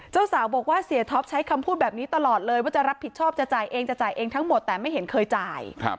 เจ้าสาวบอกว่าเสียท็อปใช้คำพูดแบบนี้ตลอดเลยว่าจะรับผิดชอบจะจ่ายเองจะจ่ายเองทั้งหมดแต่ไม่เห็นเคยจ่าย